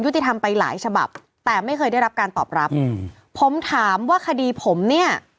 แต่ไม่เคยได้รับการตอบรับอืมผมถามว่าคดีผมเนี่ย